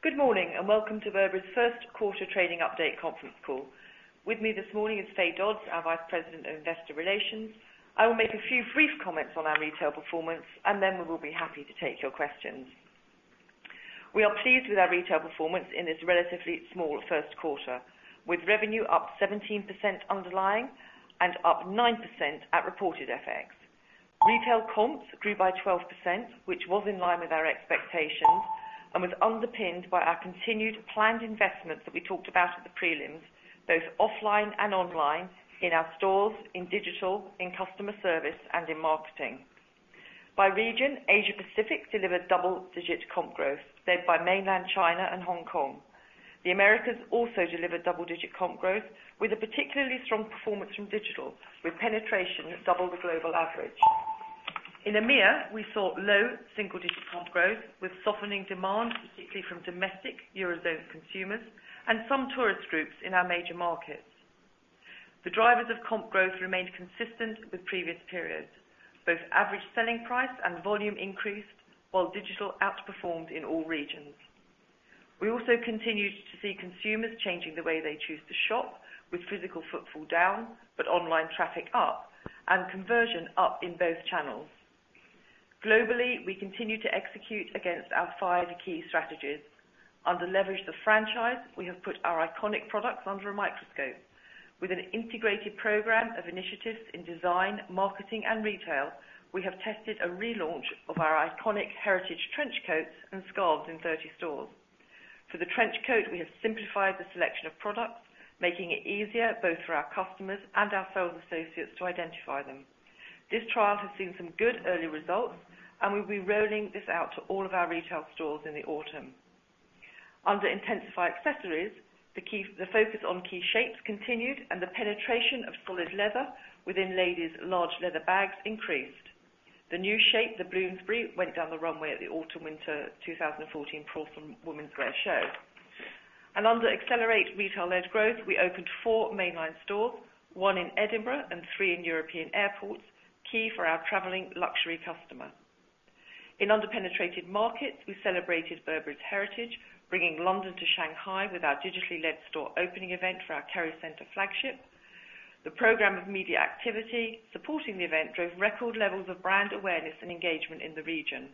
Good morning, and welcome to Burberry's first quarter trading update conference call. With me this morning is Fay Dodds, our Vice President of Investor Relations. I will make a few brief comments on our retail performance, and then we will be happy to take your questions. We are pleased with our retail performance in this relatively small first quarter, with revenue up 17% underlying and up 9% at reported FX. Retail comps grew by 12%, which was in line with our expectations and was underpinned by our continued planned investments that we talked about at the prelims, both offline and online, in our stores, in digital, in customer service, and in marketing. By region, Asia-Pacific delivered double-digit comp growth, led by mainland China and Hong Kong. The Americas also delivered double-digit comp growth with a particularly strong performance from digital, with penetration at double the global average. In EMEA, we saw low single-digit comp growth with softening demand, particularly from domestic eurozone consumers and some tourist groups in our major markets. The drivers of comp growth remained consistent with previous periods. Both average selling price and volume increased, while digital outperformed in all regions. We also continued to see consumers changing the way they choose to shop, with physical footfall down, but online traffic up, and conversion up in both channels. Globally, we continue to execute against our 5 key strategies. Under leverage the franchise, we have put our iconic products under a microscope. With an integrated program of initiatives in design, marketing, and retail, we have tested a relaunch of our iconic heritage trench coats and scarves in 30 stores. For the trench coat, we have simplified the selection of products, making it easier both for our customers and our sales associates to identify them. This trial has seen some good early results, and we'll be rolling this out to all of our retail stores in the autumn. Under intensify accessories, the focus on key shapes continued and the penetration of solid leather within ladies large leather bags increased. The new shape, The Bloomsbury, went down the runway at the Autumn/Winter 2014 ready-to-wear women's wear show. Under accelerate retail-led growth, we opened 4 mainline stores, 1 in Edinburgh and 3 in European airports, key for our traveling luxury customer. In under-penetrated markets, we celebrated Burberry's heritage, bringing London to Shanghai with our digitally led store opening event for our Kerry Centre flagship. The program of media activity supporting the event drove record levels of brand awareness and engagement in the region.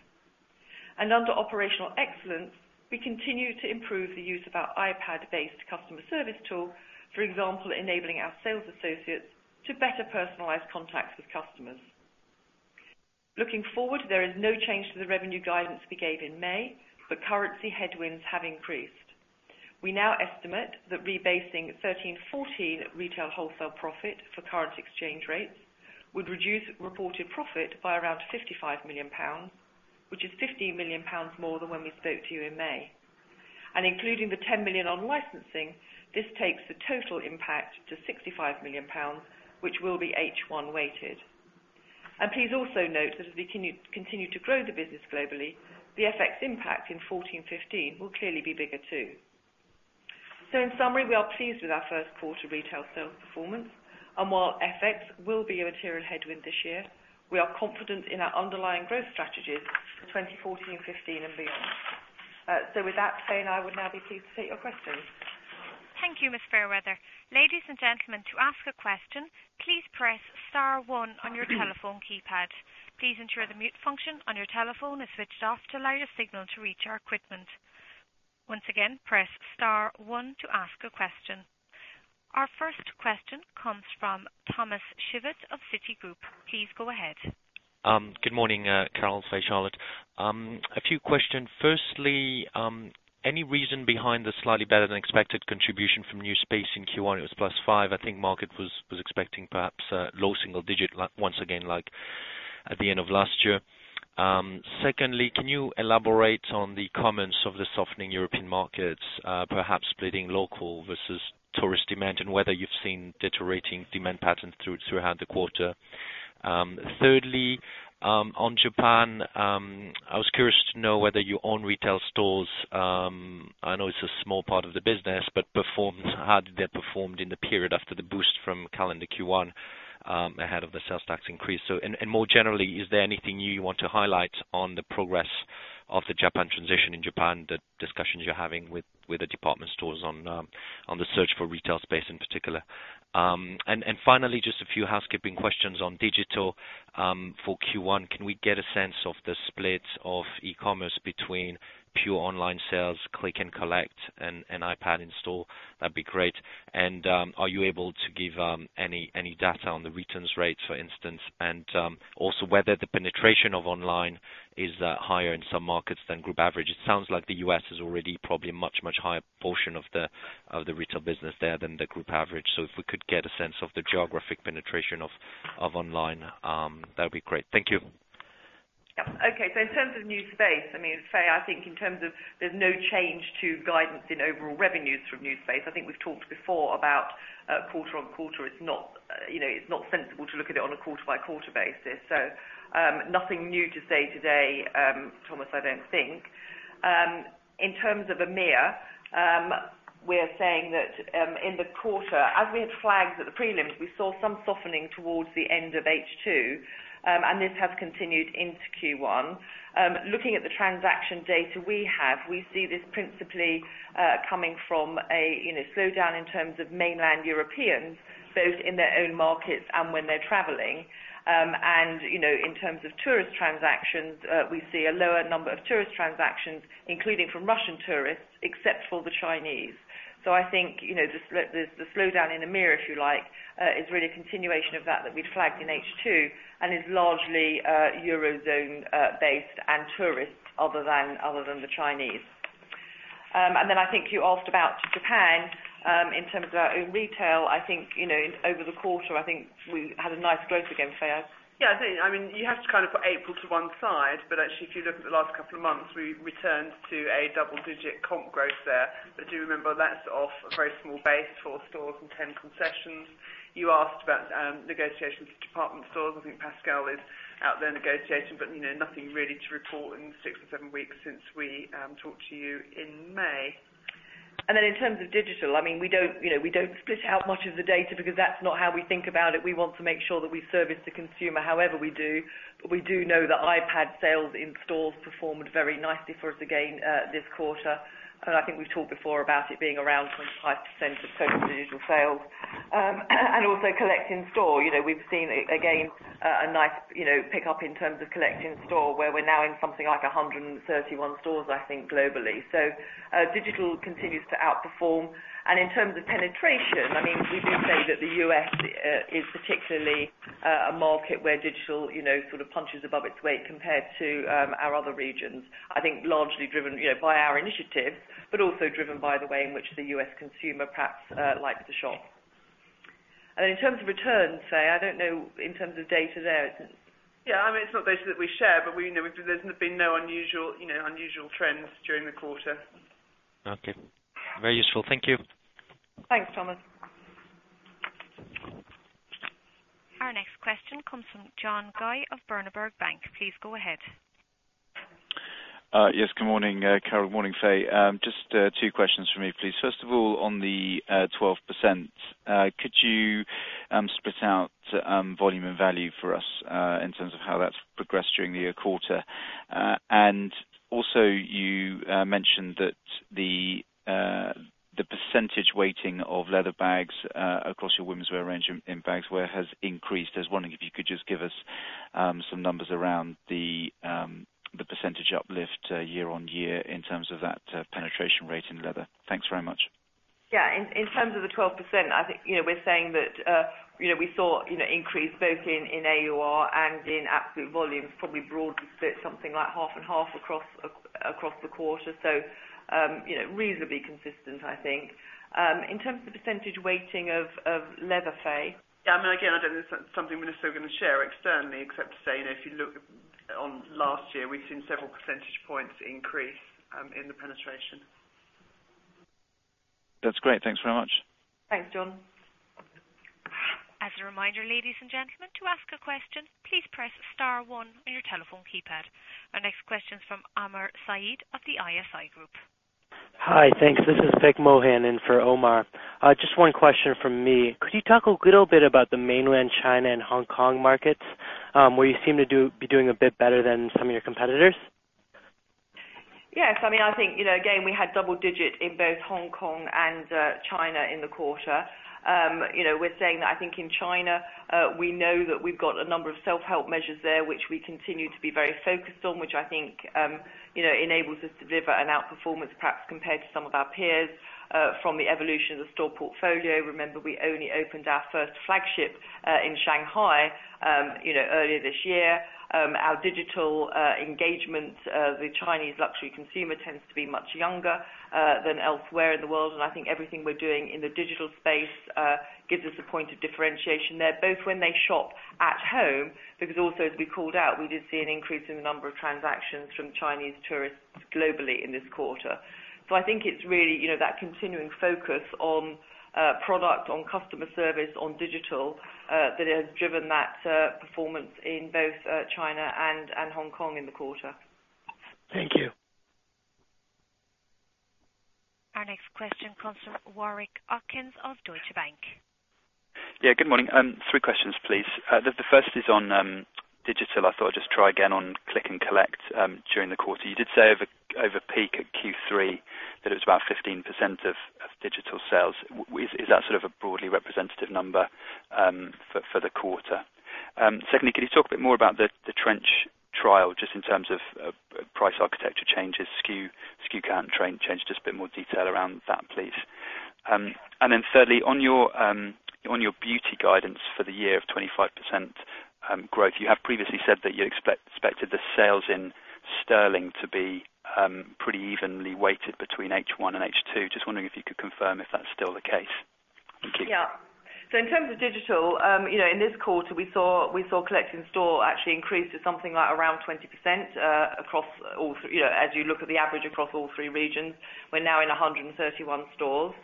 Under operational excellence, we continue to improve the use of our iPad-based customer service tool. For example, enabling our sales associates to better personalize contacts with customers. Looking forward, there is no change to the revenue guidance we gave in May, but currency headwinds have increased. We now estimate that rebasing 2013-2014 retail wholesale profit for current exchange rates would reduce reported profit by around 55 million pounds, which is 15 million pounds more than when we spoke to you in May. Including the 10 million on licensing, this takes the total impact to 65 million pounds, which will be H1-weighted. Please also note that as we continue to grow the business globally, the FX impact in 2014-2015 will clearly be bigger too. In summary, we are pleased with our first quarter retail sales performance, and while FX will be a material headwind this year, we are confident in our underlying growth strategies for 2014 and 2015 and beyond. With that, Fay and I would now be pleased to take your questions. Thank you, Ms. Fairweather. Ladies and gentlemen, to ask a question, please press star one on your telephone keypad. Please ensure the mute function on your telephone is switched off to allow your signal to reach our equipment. Once again, press star one to ask a question. Our first question comes from Thomas Chauvet of Citigroup. Please go ahead. Good morning, Carol, Fay, Charlotte. A few questions. Firstly, any reason behind the slightly better-than-expected contribution from new space in Q1? It was +5. I think the market was expecting perhaps low single digit once again, like at the end of last year. Secondly, can you elaborate on the comments of the softening European markets, perhaps splitting local versus tourist demand, and whether you've seen deteriorating demand patterns throughout the quarter? Thirdly, on Japan, I was curious to know whether your own retail stores, I know it's a small part of the business, but how did they perform in the period after the boost from calendar Q1, ahead of the sales tax increase? More generally, is there anything new you want to highlight on the progress of the Japan transition in Japan, the discussions you're having with the department stores on the search for retail space in particular? Finally, just a few housekeeping questions on digital. For Q1, can we get a sense of the split of e-commerce between pure online sales, click and collect, and iPad in-store? That'd be great. Are you able to give any data on the returns rates, for instance, and also whether the penetration of online is higher in some markets than group average? It sounds like the U.S. is already probably a much, much higher portion of the retail business there than the group average. If we could get a sense of the geographic penetration of online, that'd be great. Thank you. Okay. In terms of new space, Fay, I think in terms of there's no change to guidance in overall revenues from new space. I think we've talked before about quarter on quarter. It's not sensible to look at it on a quarter-by-quarter basis. Nothing new to say today, Thomas, I don't think. In terms of EMEA, we're saying that in the quarter, as we had flagged at the prelims, we saw some softening towards the end of H2. This has continued into Q1. Looking at the transaction data we have, we see this principally coming from a slowdown in terms of mainland Europeans, both in their own markets and when they're traveling. In terms of tourist transactions, we see a lower number of tourist transactions, including from Russian tourists, except for the Chinese. I think, the slowdown in the mirror, if you like, is really a continuation of that that we'd flagged in H2, and is largely Eurozone-based and tourists other than the Chinese. I think you asked about Japan. In terms of our own retail, I think over the quarter, I think we had a nice growth again, Faye. Yeah. I think, you have to put April to one side. Actually, if you look at the last couple of months, we returned to a double-digit comp growth there. Do remember that's off a very small base, four stores and 10 concessions. You asked about negotiations with department stores. I think Pascal is out there negotiating. Nothing really to report in the six or seven weeks since we talked to you in May. In terms of digital, we don't split out much of the data because that's not how we think about it. We want to make sure that we service the consumer however we do. We do know that iPad sales in stores performed very nicely for us again this quarter. I think we've talked before about it being around 25% of total digital sales. Also collect in store. We've seen, again, a nice pick-up in terms of collect in store, where we're now in something like 131 stores, I think, globally. Digital continues to outperform. In terms of penetration, we do say that the U.S. is particularly a market where digital sort of punches above its weight compared to our other regions. I think largely driven by our initiatives, but also driven by the way in which the U.S. consumer perhaps likes to shop. In terms of returns, Faye, I don't know in terms of data there. Yeah, it's not data that we share, but there's been no unusual trends during the quarter. Okay. Very useful. Thank you. Thanks, Thomas. Our next question comes from John Guy of Berenberg Bank. Please go ahead. Yes, good morning, Carol. Morning, Fay. Just two questions from me, please. First of all, on the 12%, could you split out volume and value for us, in terms of how that's progressed during the year quarter? Also, you mentioned that the percentage weighting of leather bags across your womenswear range in bags wear has increased. I was wondering if you could just give us some numbers around the percentage uplift year-on-year in terms of that penetration rate in leather. Thanks very much. In terms of the 12%, I think we're saying that we saw increase both in AUR and in absolute volumes, probably broadly split something like half and half across the quarter. Reasonably consistent, I think. In terms of the percentage weighting of leather, Fay? Again, I don't think that's something we're still going to share externally except to say, if you look on last year, we've seen several percentage points increase in the penetration. That's great. Thanks very much. Thanks, John. As a reminder, ladies and gentlemen, to ask a question, please press *1 on your telephone keypad. Our next question is from Omar Saad of the ISI Group. Hi. Thanks. This is Vic Mohan in for Omar. Just one question from me. Could you talk a little bit about the mainland China and Hong Kong markets, where you seem to be doing a bit better than some of your competitors? Yes. I think, again, we had double-digit in both Hong Kong and China in the quarter. We're saying that I think in China, we know that we've got a number of self-help measures there, which we continue to be very focused on, which I think enables us to deliver an outperformance, perhaps compared to some of our peers from the evolution of the store portfolio. Remember, we only opened our first flagship in Shanghai earlier this year. Our digital engagement, the Chinese luxury consumer tends to be much younger than elsewhere in the world. I think everything we're doing in the digital space gives us a point of differentiation there, both when they shop at home. Also, as we called out, we did see an increase in the number of transactions from Chinese tourists globally in this quarter. I think it's really that continuing focus on product, on customer service, on digital, that has driven that performance in both China and Hong Kong in the quarter. Thank you. Our next question comes from Warwick Okines of Deutsche Bank. Good morning. 3 questions, please. The first is on digital. I thought I'd just try again on click and collect during the quarter. You did say over peak at Q3 that it was about 15% of digital sales. Is that sort of a broadly representative number for the quarter? Secondly, could you talk a bit more about the trench trial, just in terms of price architecture changes, SKU count change, just a bit more detail around that, please. Thirdly, on your beauty guidance for the year of 25% growth, you have previously said that you expected the sales in GBP to be pretty evenly weighted between H1 and H2. Just wondering if you could confirm if that's still the case. Thank you. In terms of digital, in this quarter, we saw collect in store actually increase to something like around 20% as you look at the average across all three regions. We're now in 131 stores.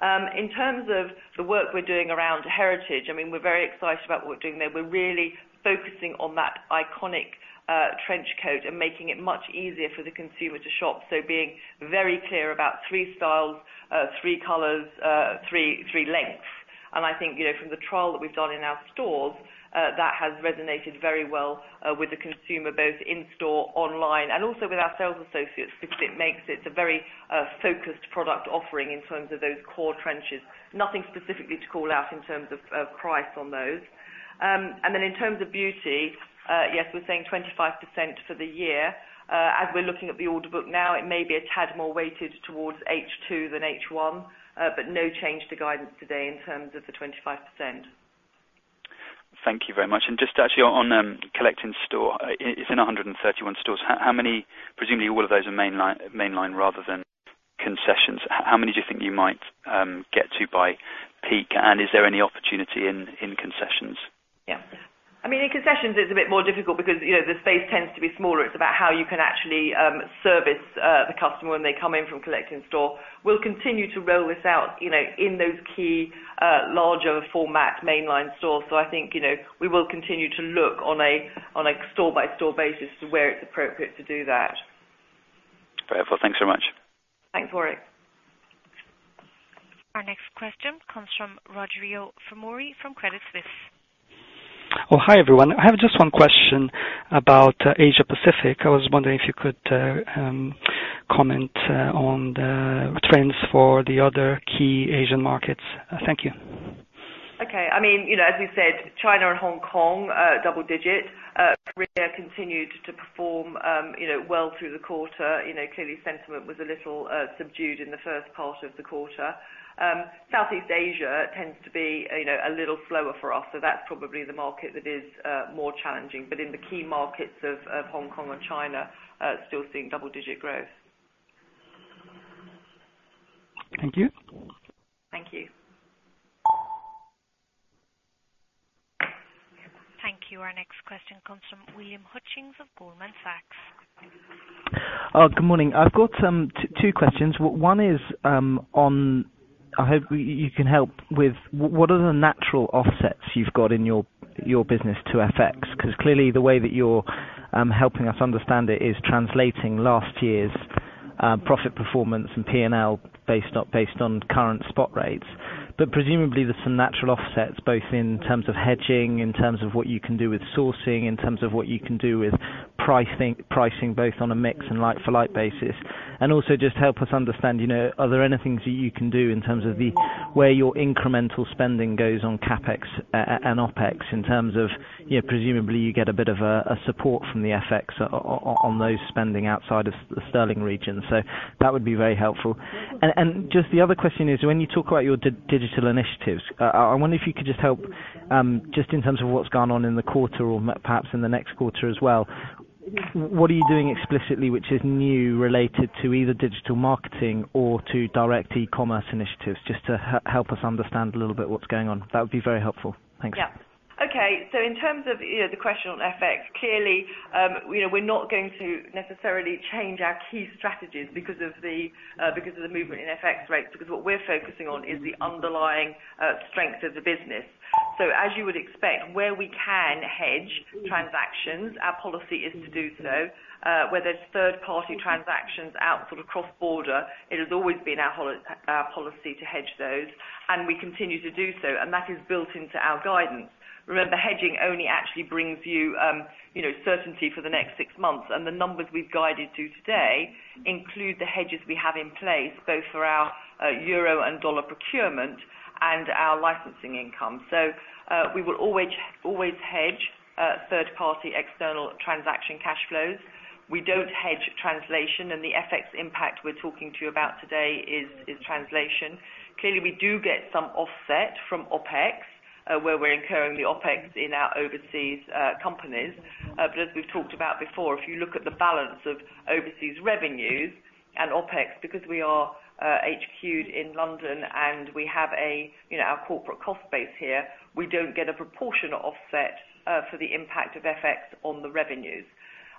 In terms of the work we're doing around heritage, we're very excited about what we're doing there. We're really focusing on that iconic trench coat and making it much easier for the consumer to shop. Being very clear about three styles, three colors, three lengths. I think from the trial that we've done in our stores, that has resonated very well with the consumer, both in-store, online, and also with our sales associates, because it makes it a very focused product offering in terms of those core trenches. Nothing specifically to call out in terms of price on those. In terms of beauty, yes, we're saying 25% for the year. As we're looking at the order book now, it may be a tad more weighted towards H2 than H1, but no change to guidance today in terms of the 25%. Thank you very much. Just actually on collect in store, it's in 131 stores. Presumably all of those are mainline rather than concessions. How many do you think you might get to by peak? Is there any opportunity in concessions? Yeah. In concessions it's a bit more difficult because the space tends to be smaller. It's about how you can actually service the customer when they come in from collect in store. We'll continue to roll this out in those key larger format mainline stores. I think we will continue to look on a store-by-store basis to where it's appropriate to do that. Terrific. Thanks so much. Thanks, Warwick. Our next question comes from Rogerio Fujimori from Credit Suisse. Oh, hi, everyone. I have just one question about Asia Pacific. I was wondering if you could comment on the trends for the other key Asian markets. Thank you. Okay. As we said, China and Hong Kong, double digit. Korea continued to perform well through the quarter. Clearly sentiment was a little subdued in the first part of the quarter. Southeast Asia tends to be a little slower for us, That's probably the market that is more challenging. In the key markets of Hong Kong and China, still seeing double-digit growth. Thank you. Thank you. Thank you. Our next question comes from Will Hutchings of Goldman Sachs. Good morning. I've got two questions. One is on, I hope you can help with, what are the natural offsets you've got in your business to FX? Clearly the way that you're helping us understand it is translating last year's profit performance and P&L based on current spot rates. Presumably there's some natural offsets, both in terms of hedging, in terms of what you can do with sourcing, in terms of what you can do with pricing, both on a mix and like for like basis. Also just help us understand, are there any things that you can do in terms of where your incremental spending goes on CapEx and OpEx in terms of presumably you get a bit of a support from the FX on those spending outside of the sterling region. That would be very helpful. Just the other question is, when you talk about your digital initiatives, I wonder if you could just help, just in terms of what's gone on in the quarter or perhaps in the next quarter as well. What are you doing explicitly which is new related to either digital marketing or to direct e-commerce initiatives? Just to help us understand a little bit what's going on. That would be very helpful. Thanks. Yeah. Okay. In terms of the question on FX, clearly we're not going to necessarily change our key strategies because of the movement in FX rates, because what we're focusing on is the underlying strength of the business. As you would expect, where we can hedge transactions, our policy is to do so. Where there's third-party transactions out sort of cross-border, it has always been our policy to hedge those, and we continue to do so, and that is built into our guidance. Remember, hedging only actually brings you certainty for the next six months, and the numbers we've guided to today include the hedges we have in place, both for our euro and dollar procurement and our licensing income. We will always hedge third-party external transaction cash flows. We don't hedge translation, and the FX impact we're talking to you about today is translation. Clearly, we do get some offset from OpEx, where we're incurring the OpEx in our overseas companies. As we've talked about before, if you look at the balance of overseas revenues and OpEx, because we are HQ'd in London and we have our corporate cost base here, we don't get a proportionate offset for the impact of FX on the revenues.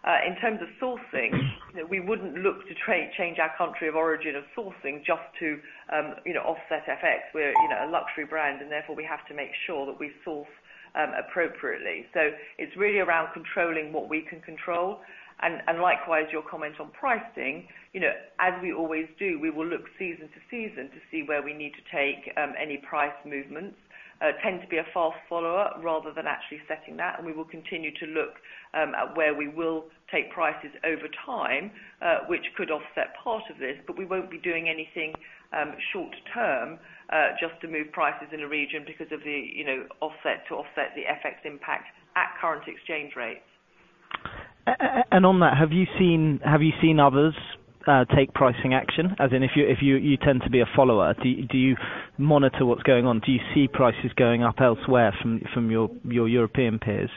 In terms of sourcing, we wouldn't look to change our country of origin of sourcing just to offset FX. We're a luxury brand and therefore we have to make sure that we source appropriately. It's really around controlling what we can control. Likewise, your comment on pricing. As we always do, we will look season to season to see where we need to take any price movements. We tend to be a fast follower rather than actually setting that. We will continue to look at where we will take prices over time, which could offset part of this. We won't be doing anything short term just to move prices in a region because of the offset to offset the FX impact at current exchange rates. On that, have you seen others take pricing action? As in, if you tend to be a follower, do you monitor what's going on? Do you see prices going up elsewhere from your European peers?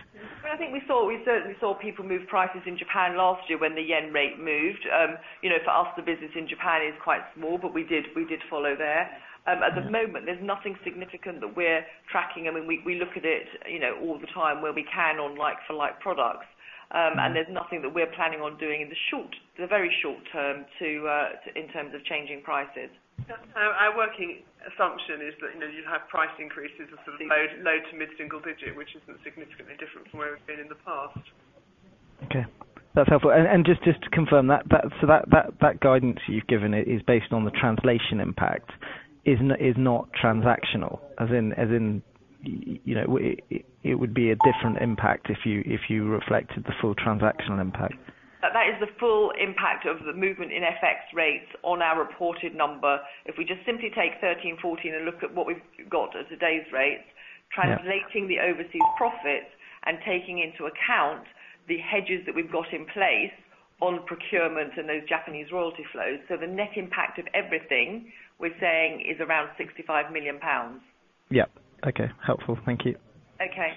Well, I think we certainly saw people move prices in Japan last year when the yen rate moved. For us, the business in Japan is quite small. We did follow there. At the moment, there's nothing significant that we're tracking. We look at it all the time where we can on like-for-like products. There's nothing that we're planning on doing in the very short term in terms of changing prices. Our working assumption is that you'd have price increases of sort of low to mid-single digit, which isn't significantly different from where we've been in the past. Okay. That's helpful. Just to confirm, that guidance you've given is based on the translation impact, is not transactional? As in, it would be a different impact if you reflected the full transactional impact. That is the full impact of the movement in FX rates on our reported number. If we just simply take 2013-2014 and look at what we've got as today's rates. Yeah Translating the overseas profits and taking into account the hedges that we've got in place on procurement and those Japanese royalty flows. The net impact of everything we're saying is around 65 million pounds. Yeah. Okay. Helpful. Thank you. Okay.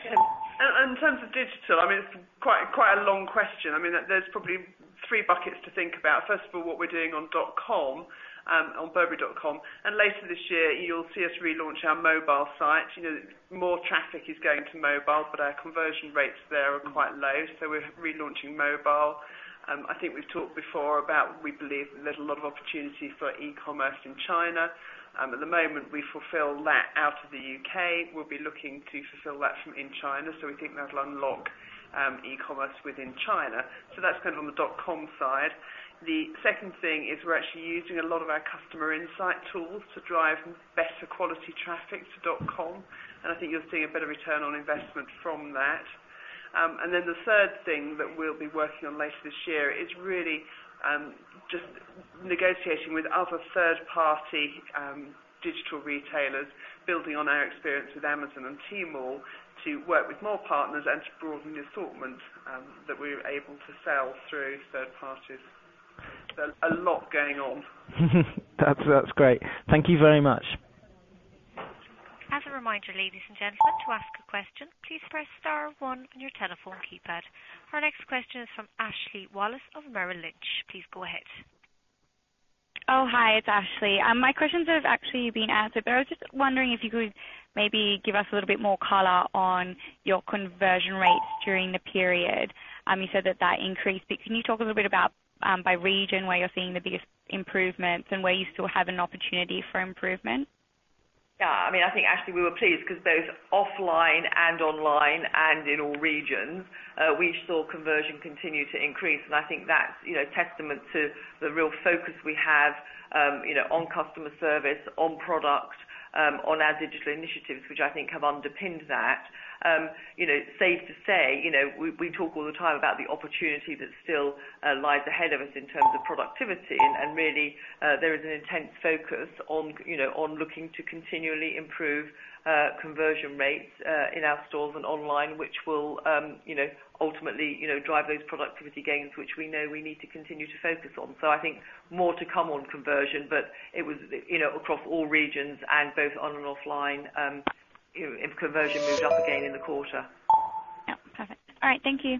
In terms of digital, it's quite a long question. There's probably three buckets to think about. First of all, what we're doing on .com, on burberry.com. Later this year, you'll see us relaunch our mobile site. More traffic is going to mobile, but our conversion rates there are quite low. We're relaunching mobile. I think we've talked before about, we believe there's a lot of opportunity for e-commerce in China. At the moment, we fulfill that out of the U.K. We'll be looking to fulfill that from in China. We think that'll unlock e-commerce within China. That's on the .com side. The second thing is we're actually using a lot of our customer insight tools to drive better quality traffic to .com, and I think you'll see a better return on investment from that. The third thing that we'll be working on later this year is really just negotiating with other third-party digital retailers, building on our experience with Amazon and Tmall, to work with more partners and to broaden the assortment that we're able to sell through third parties. A lot going on. That's great. Thank you very much. As a reminder, ladies and gentlemen, to ask a question, please press star one on your telephone keypad. Our next question is from Ashley Wallace of Merrill Lynch. Please go ahead. Oh, hi. It's Ashley. My questions have actually been answered, but I was just wondering if you could maybe give us a little bit more color on your conversion rates during the period. You said that increased, but can you talk a little bit about by region where you're seeing the biggest improvements and where you still have an opportunity for improvement? Yeah. I think, Ashley, we were pleased because both offline and online and in all regions, we saw conversion continue to increase. I think that's testament to the real focus we have on customer service, on product, on our digital initiatives, which I think have underpinned that. Safe to say, we talk all the time about the opportunity that still lies ahead of us in terms of productivity. Really, there is an intense focus on looking to continually improve conversion rates in our stores and online, which will ultimately drive those productivity gains, which we know we need to continue to focus on. I think more to come on conversion, it was across all regions and both on and offline, conversion moved up again in the quarter. Yeah. Perfect. All right. Thank you.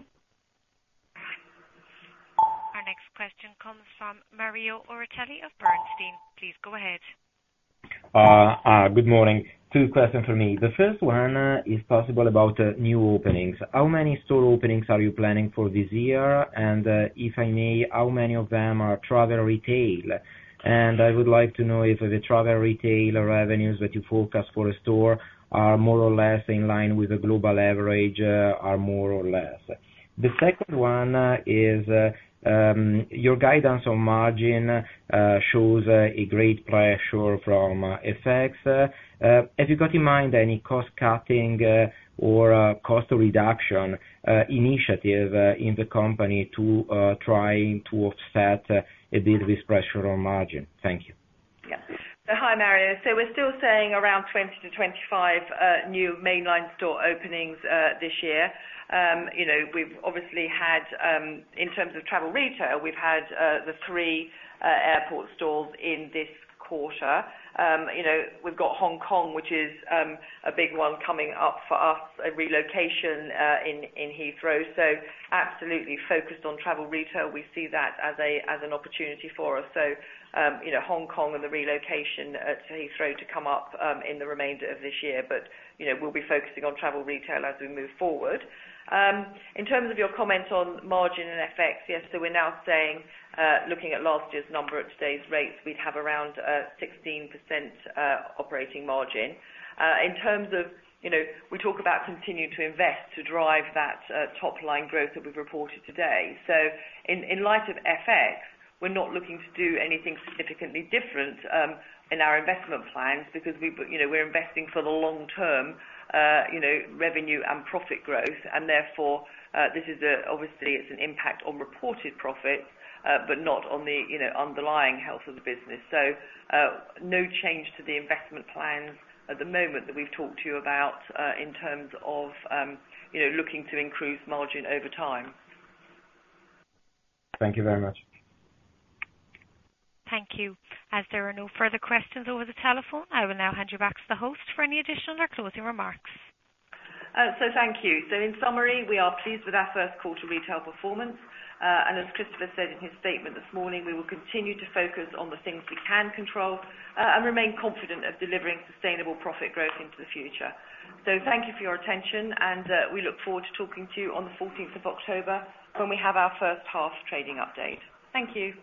Our next question comes from Mario Ortelli of Bernstein. Please go ahead. Good morning. Two questions from me. The first one, if possible, about new openings. How many store openings are you planning for this year? If I may, how many of them are travel retail? I would like to know if the travel retailer revenues that you forecast for a store are more or less in line with the global average. The second one is, your guidance on margin shows a great pressure from FX. Have you got in mind any cost-cutting or cost reduction initiative in the company to trying to offset a bit of this pressure on margin? Thank you. Yeah. Hi, Mario. We're still saying around 20 to 25 new mainline store openings this year. We've obviously had, in terms of travel retail, we've had the three airport stores in this quarter. We've got Hong Kong, which is a big one coming up for us, a relocation in Heathrow. Absolutely focused on travel retail. We see that as an opportunity for us. Hong Kong and the relocation to Heathrow to come up in the remainder of this year. We'll be focusing on travel retail as we move forward. In terms of your comment on margin and FX, yes, we're now saying, looking at last year's number at today's rates, we'd have around 16% operating margin. We talk about continuing to invest to drive that top-line growth that we've reported today. In light of FX, we're not looking to do anything significantly different in our investment plans because we're investing for the long term revenue and profit growth, therefore, this is obviously an impact on reported profit, but not on the underlying health of the business. No change to the investment plans at the moment that we've talked to you about in terms of looking to increase margin over time. Thank you very much. Thank you. There are no further questions over the telephone, I will now hand you back to the host for any additional or closing remarks. Thank you. In summary, we are pleased with our first quarter retail performance. As Christopher said in his statement this morning, we will continue to focus on the things we can control, and remain confident of delivering sustainable profit growth into the future. Thank you for your attention, and we look forward to talking to you on the 14th of October when we have our first half trading update. Thank you.